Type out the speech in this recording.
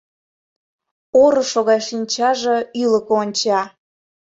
Орышо гай шинчаже ӱлыкӧ онча.